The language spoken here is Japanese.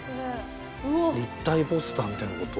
立体ポスターみたいなこと？